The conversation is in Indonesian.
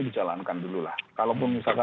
dijalankan dulu lah kalaupun misalkan